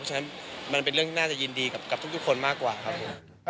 ฉะนั้นมันเป็นเรื่องน่าจะยินดีกับทุกคนมากกว่าครับผม